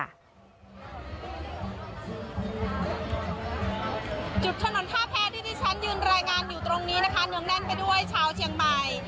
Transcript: จุดถนนท่าแพ้ที่ที่ฉันยืนรายงานอยู่ตรงนี้นะคะเนื้องแน่นไปด้วยชาวเชียงใหม่